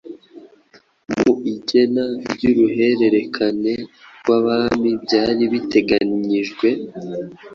Mu igena ry’uruhererekane rw’abami byari biteganyijwe